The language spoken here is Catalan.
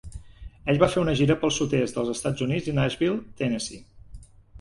Ell va fer una gira pel sud-est dels Estats Units i Nashville, Tennessee